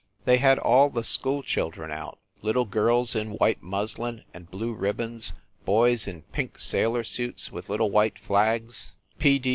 They had all the school children out little girls in white muslin and blue ribbons, boys in pink sailor suits with little white flags.